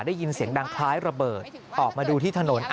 ได้ยินเสียงดังคล้ายระเบิดออกมาดูที่ถนน